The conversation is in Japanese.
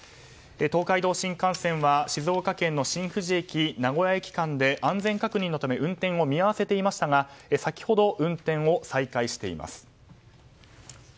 東海道新幹線は静岡県の新富士駅名古屋駅間で安全確認のため運転を見合わせていましたが先ほど、運転を再開しています。